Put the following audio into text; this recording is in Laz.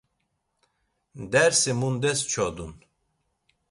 Dersi mundes çodun.